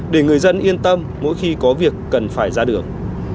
để người dân yên tâm mỗi khi có việc cần phải ra đường